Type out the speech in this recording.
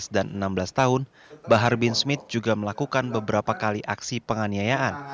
dua belas dan enam belas tahun bahar bin smith juga melakukan beberapa kali aksi penganiayaan